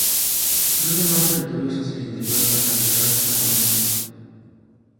Capturaron más territorio hacia el interior tras las guerras anglo-asante.